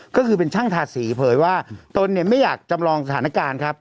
ก็คือเป็นช่างทาสีเผยว่าตนเนี่ยไม่อยากจำลองสถานการณ์ครับ